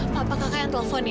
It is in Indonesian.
bapak kakak yang telpon ya